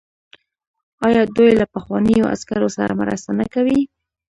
آیا دوی له پخوانیو عسکرو سره مرسته نه کوي؟